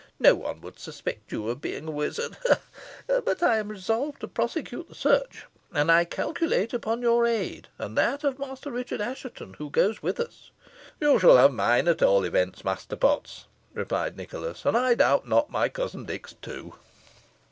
No one would suspect you of being a wizard ha! ha! But I am resolved to prosecute the search, and I calculate upon your aid, and that of Master Richard Assheton, who goes with us." "You shall have mine, at all events, Master Potts," replied Nicholas; "and I doubt not, my cousin Dick's, too."